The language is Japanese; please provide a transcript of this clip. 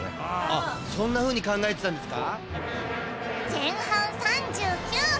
あっそんなふうにかんがえてたんですか。